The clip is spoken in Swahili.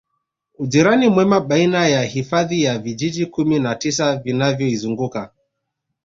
Ujirani mwema baina ya hifadhi na vijiji Kumi na tisa vinavyoizunguka